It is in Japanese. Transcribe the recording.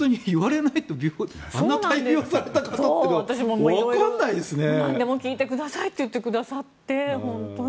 なんでも聞いてくださいと言ってくださって、本当に。